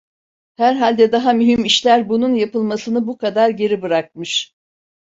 Herhalde daha mühim işler bunun yapılmasını bu kadar geri bırakmış.